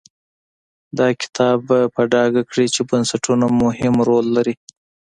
دا کتاب به په ډاګه کړي چې بنسټونه مهم رول لري.